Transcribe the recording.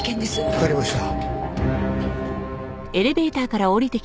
わかりました。